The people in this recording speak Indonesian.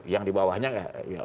yang di bawahnya lain lagi